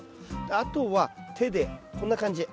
あとは手でこんな感じ。